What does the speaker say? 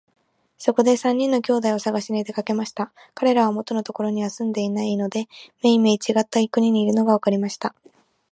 そこで三人の兄弟をさがしに出かけましたが、かれらは元のところには住んでいないで、めいめいちがった国にいるのがわかりました。